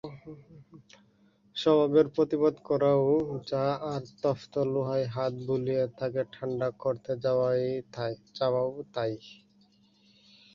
স্বভাবের প্রতিবাদ করাও যা আর তপ্ত লোহায় হাত বুলিয়ে তাকে ঠাণ্ডা করতে যাওয়াও তাই।